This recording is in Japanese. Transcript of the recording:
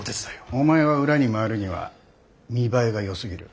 お前は裏に回るには見栄えがよすぎる。